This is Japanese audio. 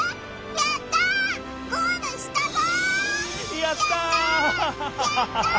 やったぞ！